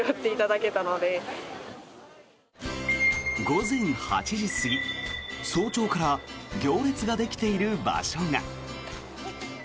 午前８時過ぎ、早朝から行列ができている場所が。